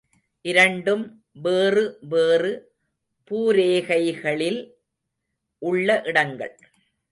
இரண்டும் வேறு வேறு பூரேகைகளில் உள்ள இடங்கள்.